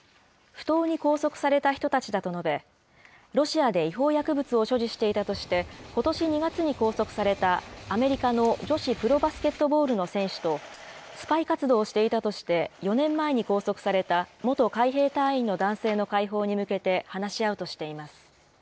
不当に拘束された人たちだと述べ、ロシアで違法薬物を所持していたとして、ことし２月に拘束されたアメリカの女子プロバスケットボールの選手と、スパイ活動をしていたとして、４年前に拘束された元海兵隊員の男性の解放に向けて話し合うとしています。